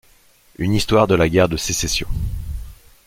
Une histoire de la Guerre de Sécession.